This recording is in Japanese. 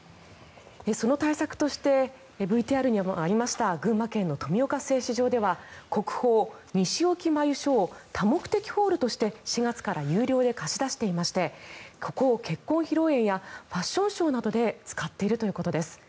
その対策としてＶＴＲにもありました群馬県の富岡製糸場では国宝・西置繭所を多目的ホールとして４月から有料で貸し出していましてここを結婚披露宴やファッションショーなどで使っているということです。